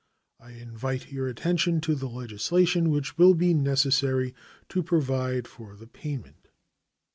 I invite your attention to the legislation which will be necessary to provide for the payment.